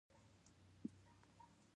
دوه ـ درې ځلې مې د ګامونو ترپا تر غوږ شوه.